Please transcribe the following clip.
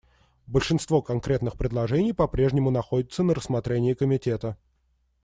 Большинство конкретных предложений по-прежнему находится на рассмотрении Комитета.